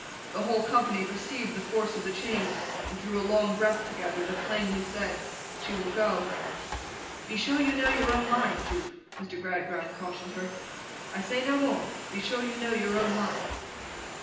The whole company perceived the force of the change, and drew a long breath together, that plainly said, 'she will go!' 'Be sure you know your own mind, Jupe,' Mr. Gradgrind cautioned her; 'I say no more. Be sure you know your own mind!